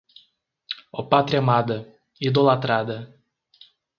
Ó Pátria amada, idolatrada